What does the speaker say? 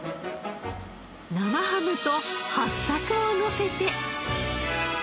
生ハムとはっさくをのせて。